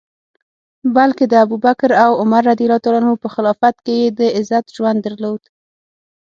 بلکه د ابوبکر او عمر رض په خلافت کي یې د عزت ژوند درلود.